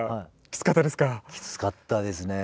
きつかったですね。